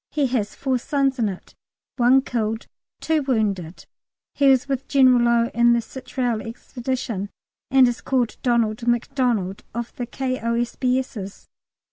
He has four sons in it, one killed, two wounded. He was with General Low in the Chitral Expedition, and is called Donald Macdonald, of the K.O.S.B.'s.